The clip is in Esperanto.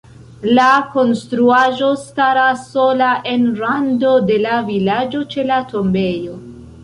La konstruaĵo staras sola en rando de la vilaĝo ĉe la tombejo.